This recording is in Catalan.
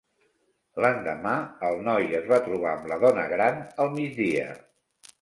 L'endemà, el noi es va trobar amb la dona gran al migdia.